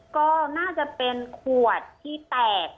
ก็น่าจะเป็นขวดที่แตก